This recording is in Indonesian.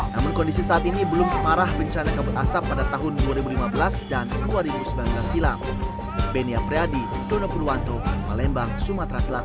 namun kondisi saat ini belum separah bencana kabut asap pada tahun dua ribu lima belas dan dua ribu sembilan belas silam